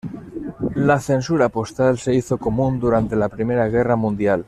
La censura postal se hizo común durante la Primera Guerra Mundial.